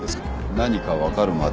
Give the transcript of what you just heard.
何か分かるまで。